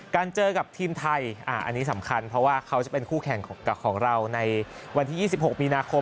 เจอกับทีมไทยอันนี้สำคัญเพราะว่าเขาจะเป็นคู่แข่งกับของเราในวันที่๒๖มีนาคม